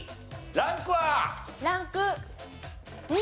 ランク２。